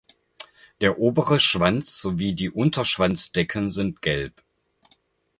Der obere Schwanz sowie die Unterschwanzdecken sind gelb.